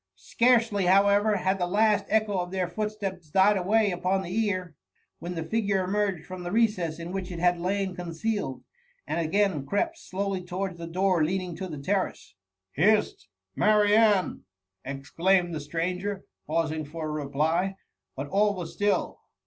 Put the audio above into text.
Scarcely, however, had the last echo of their footsteps died away upon the ear, when the figure emerged from the . recess , in which it had lain concealed, and again crept slowly towards the door leading to the terrace. Hist ! Marianne P exclaimed the stranger, pausing for a reply ; but all was still.